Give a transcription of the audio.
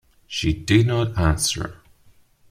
She did not answer.